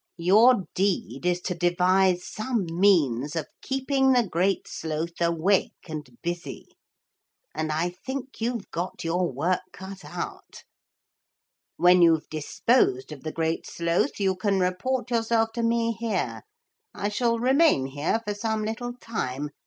Your deed is to devise some means of keeping the Great Sloth awake and busy. And I think you've got your work cut out. When you've disposed of the Great Sloth you can report yourself to me here. I shall remain here for some little time.